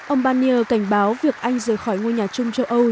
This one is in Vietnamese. ông barnier cảnh báo việc anh rời khỏi ngôi nhà chung châu âu